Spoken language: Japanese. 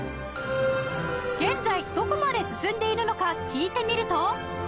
現在どこまで進んでいるのか聞いてみると